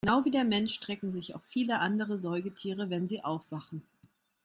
Genau wie der Mensch strecken sich auch viele andere Säugetiere, wenn sie aufwachen.